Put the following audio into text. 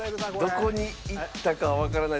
どこにいったかわからない。